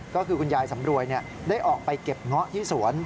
ก็คือคุณยายสำรวยได้ออกไปเก็บเงาะที่สวน